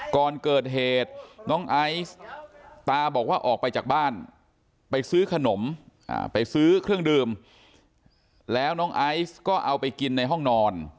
ก่อนเกิดเหตุน้องไอซ์ตาบอกว่าออกไปจากบ้านไปซื้อขนมไปซื้อเครื่องดื่มแล้วน้องไอซ์ก็เอาไปกินในห้องนอน